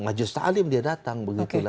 majlis ta'lim dia datang